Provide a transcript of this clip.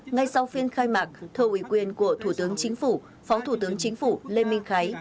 ngay sau phiên khai mạc thờ ủy quyền của thủ tướng chính phủ phó thủ tướng chính phủ lê minh khái